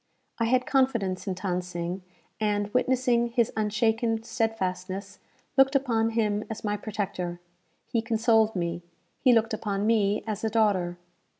I had confidence in Than Sing, and, witnessing his unshaken stedfastness, looked upon him as my protector. He consoled me; he looked upon me as a daughter.